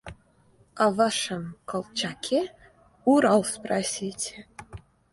О вашем Колчаке – Урал спросите!